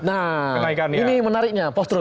nah ini menariknya post truth